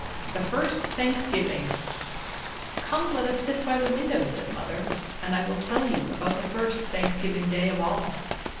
The First Thanksgiving "Come let us sit by the window," said mother, "and I will tell you about the first Thanksgiving Day of all.